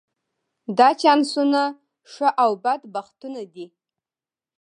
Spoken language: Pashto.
دا چانسونه ښه او بد بختونه دي.